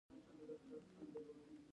نو باید د زرینې قاعدې له مخې عمل وکړي.